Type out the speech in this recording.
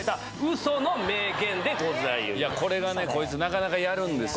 これがねこいつなかなかやるんですよ。